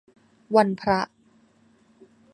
วันพระ